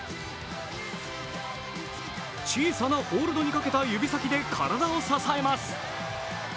小さなホールドにかけた指先で体を支えます。